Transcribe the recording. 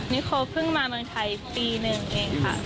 นิโคเพิ่งมาเมืองไทยปีหนึ่งเองค่ะ